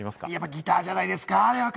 ギターじゃないですか？